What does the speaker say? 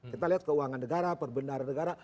kita lihat keuangan negara perbenaran negara